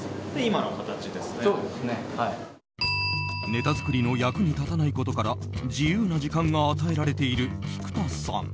ネタ作りの役に立たないことから自由な時間が与えられている菊田さん。